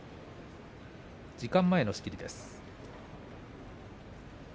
時間前の仕切りです。